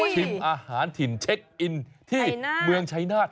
ชิมอาหารถิ่นเช็คอินที่เมืองชัยนาธิ